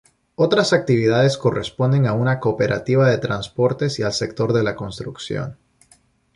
Otras actividades corresponden a una cooperativa de transportes y al sector de la construcción.